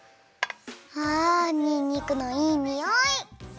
あにんにくのいいにおい！